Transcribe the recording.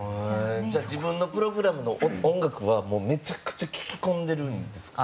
自分のプログラムも音楽はめちゃくちゃ聴き込んでるんですか？